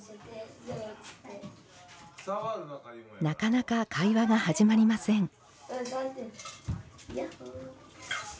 なかなか会話が始まりません。